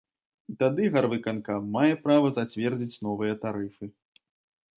І тады гарвыканкам мае права зацвердзіць новыя тарыфы.